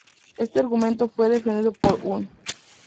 Este argumento fue defendido por Un.